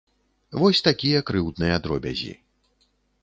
Вось такія крыўдныя дробязі.